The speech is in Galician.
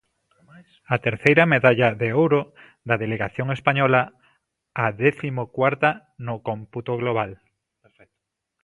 A terceira medalla de ouro da delegación española, a décimo cuarta no cómputo global.